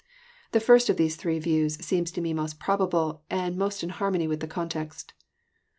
The first of these three views seems to me most probable, and most in harmony with the context.